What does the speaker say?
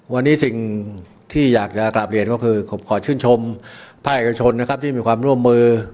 วันนี้สิ่งที่อยากจะกลับเรียนก็คือขอชื่นชมภาคเอกชนนะครับที่มีความร่วมมือ